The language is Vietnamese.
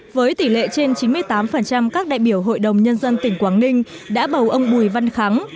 với tỷ lệ trên chín mươi tám các đại biểu hội đồng nhân dân tỉnh quảng ninh đã bầu ông bùi văn kháng